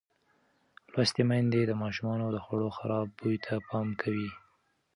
لوستې میندې د ماشومانو د خوړو خراب بوی ته پام کوي.